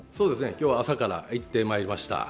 今日、朝から行ってまいりました